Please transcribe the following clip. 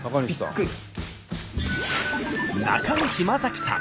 びっくり。